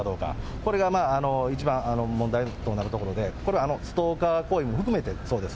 これが一番問題となるところで、これ、ストーカー行為も含めてそうです。